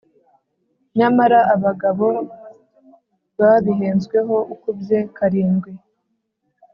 Nyamara abagabo babihenzweho ukubye karindwi.